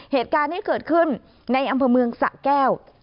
เหตุการณ์ที่เกิดขึ้นในอำเภอเมืองสะแก้ว